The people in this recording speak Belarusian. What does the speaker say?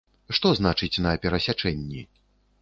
Што значыць на перасячэнні?